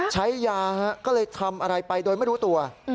ใช้ยาก็เลยทำอะไรไปโดยไม่รู้ตัว